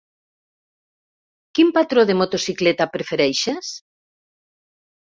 Quin patró de motocicleta prefereixes?